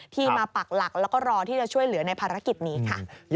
มาปักหลักแล้วก็รอที่จะช่วยเหลือในภารกิจนี้ค่ะ